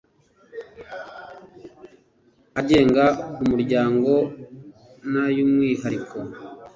agenga umuryango n ay umwihariko